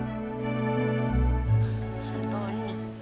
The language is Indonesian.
aku juga seneng